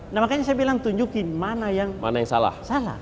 nah makanya saya bilang tunjukin mana yang salah